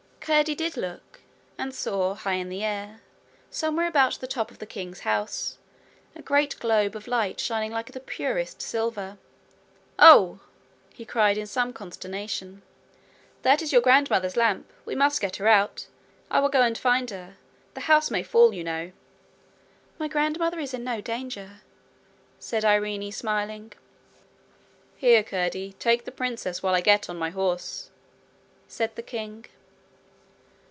Curdie did look, and saw, high in the air, somewhere about the top of the king's house, a great globe of light shining like the purest silver. 'Oh!' he cried in some consternation, 'that is your grandmother's lamp! We must get her out. I will go an find her. The house may fall, you know.' 'My grandmother is in no danger,' said Irene, smiling. 'Here, Curdie, take the princess while I get on my horse,' said the king.